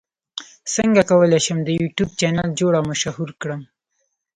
څنګه کولی شم د یوټیوب چینل جوړ او مشهور کړم